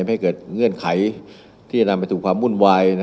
ไม่ให้เกิดเงื่อนไขที่จะนำไปสู่ความวุ่นวาย